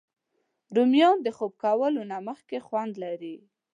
رومیان د خوب کولو نه مخکې خوند لري